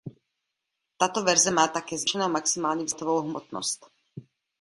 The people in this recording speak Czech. Tato verze má také zvýšenou maximální vzletovou hmotnost.